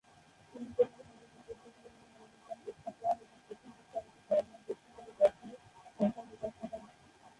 তিনি গোঁড়া ধর্মের বিপরীতে ধর্মীয় মনোবিজ্ঞান প্রস্তাব করেন এবং প্রথম দিককার একটি জার্মান বস্তুবাদী দর্শনের শাখার বিকাশ ঘটান।